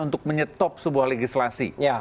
untuk menyetop sebuah legislasi